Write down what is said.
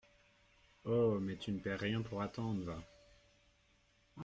Oh ! mais tu ne perds rien pour attendre, va !…